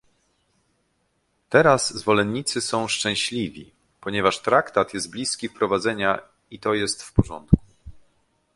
Teraz zwolennicy są szczęśliwi, ponieważ traktat jest bliski wprowadzenia, i to jest w porządku